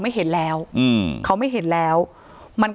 ที่มีข่าวเรื่องน้องหายตัว